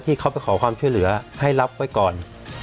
ที่เขาไปขอความช่วยเหลือให้รับไว้ก่อน